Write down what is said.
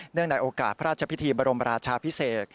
ในโอกาสพระราชพิธีบรมราชาพิเศษ